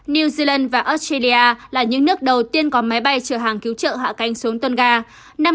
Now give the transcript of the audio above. new zealand và australia là những nước đầu tiên có máy bay chở hàng cứu trợ hạ cánh xuống tunga